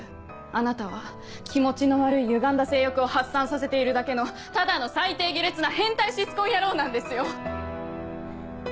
あなたは気持ちの悪い歪んだ性欲を発散させているだけのただの最低下劣な変態シスコン野郎なんですよ！